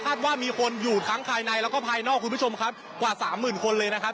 ว่ามีคนอยู่ทั้งภายในแล้วก็ภายนอกคุณผู้ชมครับกว่าสามหมื่นคนเลยนะครับ